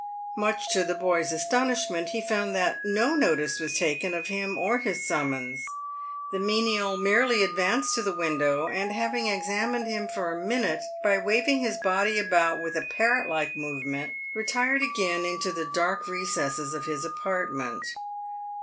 Much to the boy's astonishment, he found that no notice was taken of him or his summons. The menial merely advanced to the window, and having examined him for a minute, by waving his] body about with a parrot like movement, retired again into the dark recesses of his apartment.